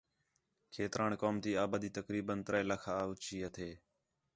کھیتران قوم تی آبادی تقریباً ترے لاکھ آ اُوچی ہتھے